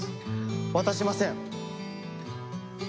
渡しません！